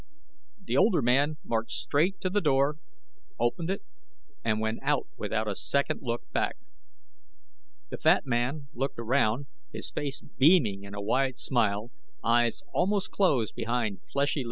The older man marched straight to the door, opened it and went out without a second look back. The fat man looked around, his face beaming in a wide smile, eyes almost closed behind fleshy lids.